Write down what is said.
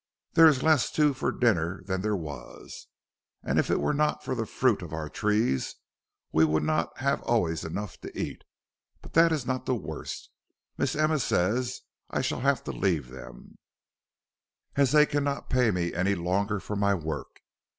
There is less too for dinner than there was, and if it were not for the fruit on our trees we would not have always enough to eat. But that is not the worst; Miss Emma says I shall have to leave them, as they cannot pay me any longer for my work.